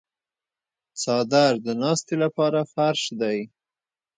څادر د ناستې لپاره فرش دی.